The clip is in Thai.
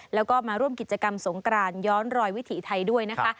แล้วก็มาร่วมกิจกรรมสงกรานย้อนรอยวิถีไทยด้วยนะคะ